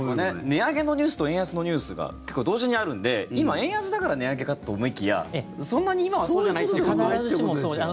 値上げのニュースと円安のニュースが結構同時にあるんで今、円安だから値上げかと思いきやそんなに今はそうじゃないってことですよね。